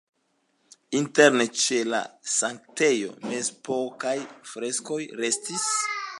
Interne ĉe la sanktejo mezepokaj freskoj restis.